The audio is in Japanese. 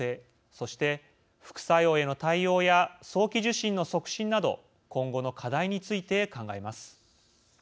そして、副作用への対応や早期受診の促進など今後の課題について考えます。